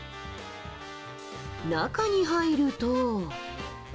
中に入ると。